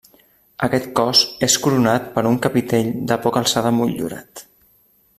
Aquest cos és coronat per un capitell de poca alçada motllurat.